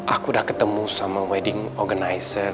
aku udah ketemu sama wedding organizer